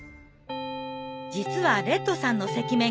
実はレッドさんの赤面